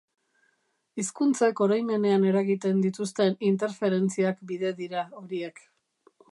Hizkuntzek oroimenean eragiten dituzten interferentziak bide dira horiek.